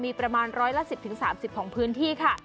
มีประมาณร้อยละ๑๐๓๐ของพื้นที่ค่ะ